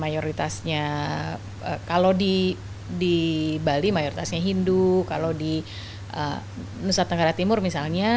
mayoritasnya kalau di bali mayoritasnya hindu kalau di nusa tenggara timur misalnya